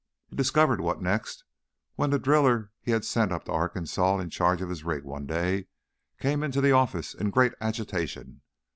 He discovered what next when the driller he had sent up to Arkansas in charge of his rig one day came into the office in great agitation.